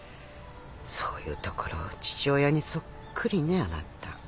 そういうところ父親にそっくりねあなた。